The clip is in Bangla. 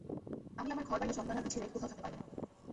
আমি আমার ঘরবাড়ি ও সন্তানাদি ছেড়ে কোথাও থাকতে পারব না।